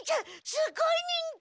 すごい人気！